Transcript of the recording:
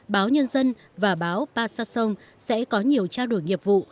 báo nhân dân và báo pa sa sông sẽ có nhiều trao đổi nghiệp vụ